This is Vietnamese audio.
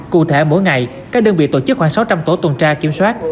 cụ thể mỗi ngày các đơn vị tổ chức khoảng sáu trăm linh tổ tuần tra kiểm soát